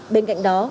bên cạnh đó